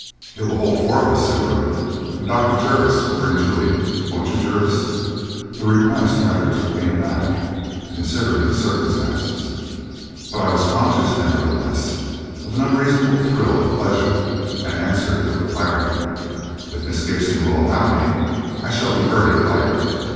"It will hold four of us," said Reuben, "and Dr. Jervis will bring Juliet; won't you, Jervis?" The request rather took me aback, considering the circumstances, but I was conscious, nevertheless, of an unreasonable thrill of pleasure and answered with alacrity: "If Miss Gibson will allow me, I shall be very delighted."